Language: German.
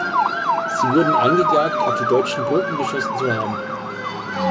Sie wurden angeklagt auf die deutschen Truppen geschossen zu haben.